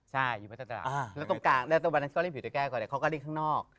ใช่อยู่บนตราดแล้วตรงกลางแล้วตรงวันนั้นก็เล่นผีโดยแก้วก่อนเนี่ยเค้าก็เล่นข้างนอก